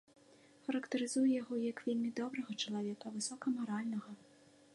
Характарызуе яго як вельмі добрага чалавека, высокамаральнага.